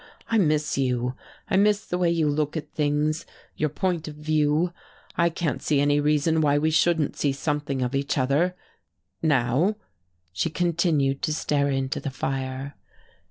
I miss you, I miss the way you look at things your point of view. I can't see any reason why we shouldn't see something of each other now " She continued to stare into the fire.